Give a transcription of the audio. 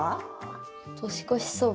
年越しそば。